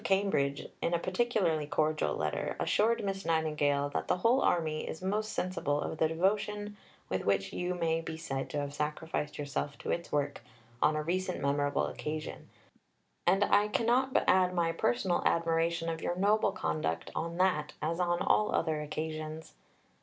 The Duke of Cambridge, in a particularly cordial letter, assured Miss Nightingale "that the whole Army is most sensible of the devotion with which you may be said to have sacrificed yourself to its work on a recent memorable occasion, and I cannot but add my personal admiration of your noble conduct on that as on all other occasions."